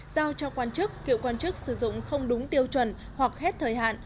giao cho quan chức kiểu quan chức sử dụng không đúng tiêu chuẩn hoặc hết thời hạn